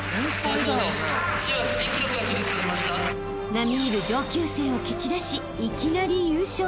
［並み居る上級生を蹴散らしいきなり優勝］